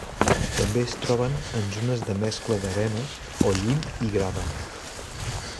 També es troben en zones de mescla d'arena o llim i grava.